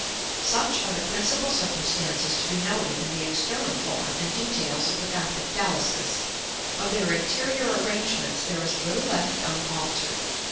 § LIX. Such are the principal circumstances to be noted in the external form and details of the Gothic palaces; of their interior arrangements there is little left unaltered.